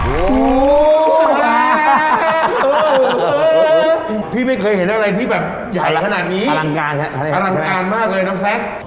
โอ้โหพี่ไม่เคยเห็นอะไรที่แบบใหญ่ขนาดนี้อลังการฮะอลังการมากเลยน้องแซค